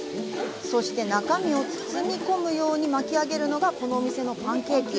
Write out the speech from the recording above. そして、中身を包み込むように巻き上げるのがこのお店のパンケーキ。